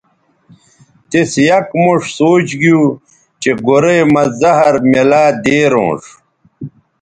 تِس یک موݜ سوچ گیو چہء گورئ مہ زہر میلہ دیرونݜ